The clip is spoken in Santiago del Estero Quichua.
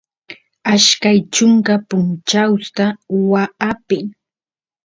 ashkay chunka punchawsta waa apin